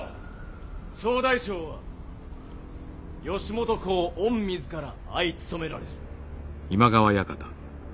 総大将は義元公御自ら相務められる。